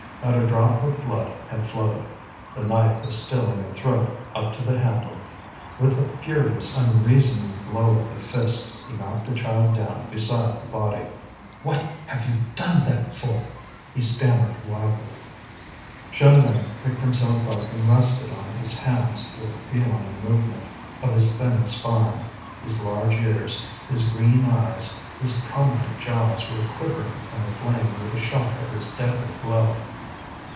Not a drop of blood had flowed, the knife was still in the throat up to the handle. With a furious, unreasoning blow of the fist he knocked the child down beside the body. "What have you done that for?" he stammered wildly. Jeanlin picked himself up and rested on his hands, with a feline movement of his thin spine; his large ears, his green eyes, his prominent jaws were quivering and aflame with the shock of his deadly blow.